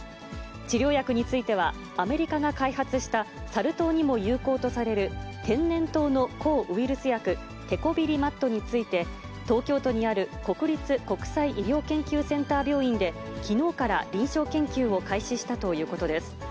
治療薬については、アメリカが開発したサル痘にも有効とされる天然痘の抗ウイルス薬、テコビリマットについて、東京都にある国立国際医療研究センター病院で、きのうから臨床研究を開始したということです。